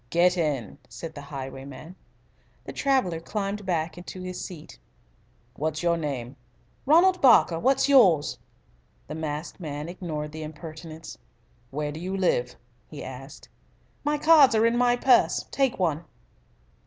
"Get in," said the highwayman. The traveller climbed back to his seat. "What is your name?" "Ronald Barker. What's yours?" The masked man ignored the impertinence. "Where do you live?" he asked. "My cards are in my purse. Take one."